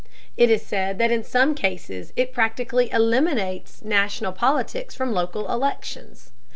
It is said that in some cases it practically eliminates national politics from local elections.